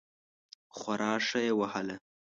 خورا ښه یې وهله.